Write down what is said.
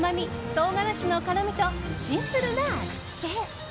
唐辛子の辛みとシンプルな味付け。